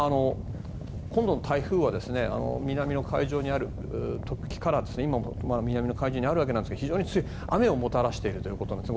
今度の台風は南の海上にある時から今は南の海上にあるわけですが非常に強い雨をもたらしているということです。